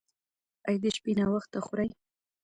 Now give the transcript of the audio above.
ایا د شپې ناوخته خورئ؟